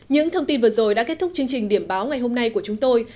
những thông tin vừa rồi đã kết thúc chương trình điểm báo ngày hôm nay của chúng tôi